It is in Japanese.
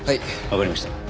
わかりました。